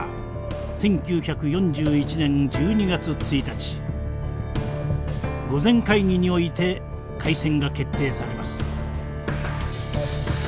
１９４１年１２月１日御前会議において開戦が決定されます。